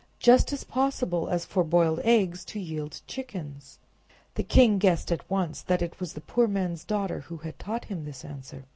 just as possible as for boiled eggs to yield chickens." The king guessed at once that it was the poor man's daughter who had taught him this answer.